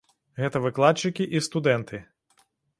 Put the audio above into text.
Гэта выкладчыкі і студэнты.